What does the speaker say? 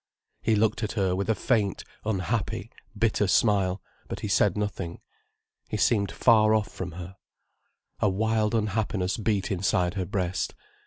He looked at her, with a faint, unhappy, bitter smile, but he said nothing. He seemed far off from her. A wild unhappiness beat inside her breast.